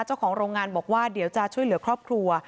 เจ้าของโรงงานบอกว่าเดี๋ยวจะช่วยเหลือครอบครัว